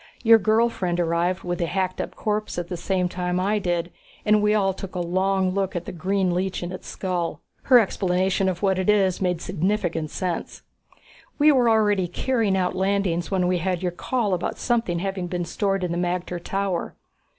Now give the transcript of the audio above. Your girl friend arrived with the hacked up corpse at the same time I did, and we all took a long look at the green leech in its skull. Her explanation of what it is made significant sense. We were already carrying out landings when we had your call about something having been stored in the magter tower.